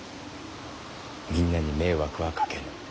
みんなに迷惑はかけぬ。